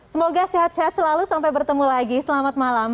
semoga sehat sehat selalu sampai bertemu lagi selamat malam